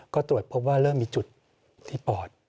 ก็ตรวจพบว่าเริ่มมีจุดที่ปอด